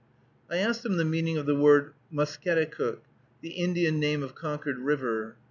I asked him the meaning of the word Musketicook, the Indian name of Concord River.